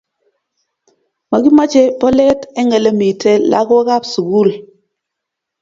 Makimache polet en elemiten lakoka ab sukul